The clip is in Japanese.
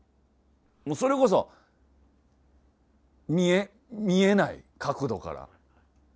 もうそれこそ見えない角度から。